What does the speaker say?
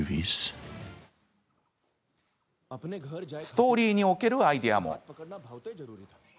ストーリーにおけるアイデアも。